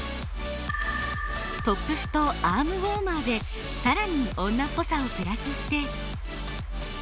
トップスとアームウォーマーでさらに女っぽさをプラスして。